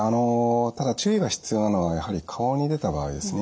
ただ注意が必要なのはやはり顔に出た場合ですね。